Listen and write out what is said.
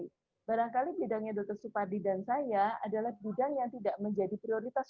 jadi barangkali bidangnya dr supardi dan saya adalah bidang yang tidak menjadi prioritas